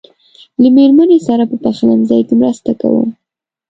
له مېرمنې سره په پخلنځي کې مرسته کوم.